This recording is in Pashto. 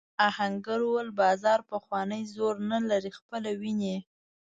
آهنګر وویل بازار پخوانی زور نه لري خپله وینې.